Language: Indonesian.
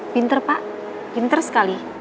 pinter pak pinter sekali